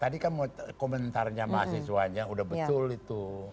tadi kan komentarnya mahasiswanya udah betul itu